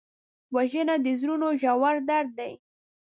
وژنه د زړونو ژور درد دی